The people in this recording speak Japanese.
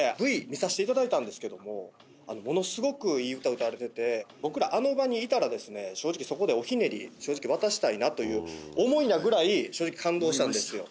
Ｖ見させていただいたんですけどもものすごくいい歌歌われてて僕らあの場にいたら正直そこでおひねり正直渡したいなという思いなぐらい正直感動したんですよ